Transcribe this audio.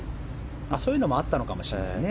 そういうのもあったのかもしれないね。